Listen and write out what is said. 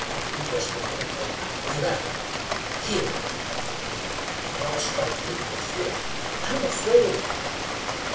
he whispered quickly. "Eleven! Here!" The girl's heart leaped with fear. "I'm afraid."